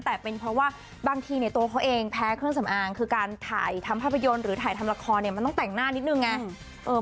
แต่เป็นเพราะว่าบางทีเนี่ยตัวเขาเองแพ้เครื่องสำอางคือการถ่ายทำภาพยนตร์หรือถ่ายทำละครเนี่ยมันต้องแต่งหน้านิดนึงไง